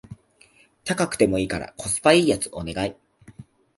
高くてもいいからコスパ良いやつお願い